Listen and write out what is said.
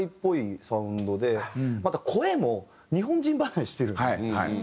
また声も日本人離れしてるっていうか。